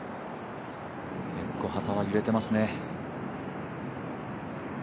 結構、旗が揺れていますね。